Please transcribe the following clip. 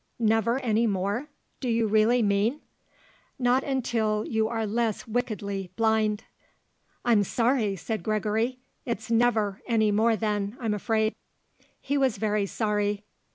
"Never any more, do you really mean?" "Not until you are less wickedly blind." "I'm sorry," said Gregory. "It's never any more then, I'm afraid." He was very sorry.